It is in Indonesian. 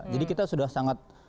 jadi kita sudah sangat